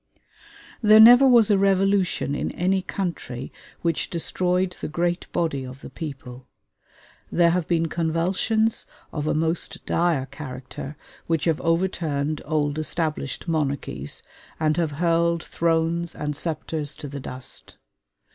There never was a revolution in any country which destroyed the great body of the people. There have been convulsions of a most dire character which have overturned old established monarchies and have hurled thrones and sceptres to the dust.